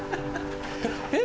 えっ？